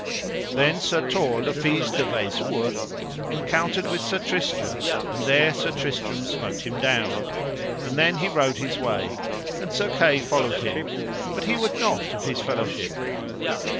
Then Sir Tor le Fise de Vayshoure encountered with Sir Tristram and there Sir Tristram smote him down, and then he rode his way, and Sir Kay followed him, but he would not of his fellowship.